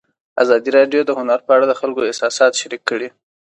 ازادي راډیو د هنر په اړه د خلکو احساسات شریک کړي.